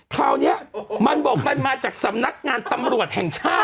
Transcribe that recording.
คราวนี้มันบอกมันมาจากสำนักงานตำรวจแห่งชาติ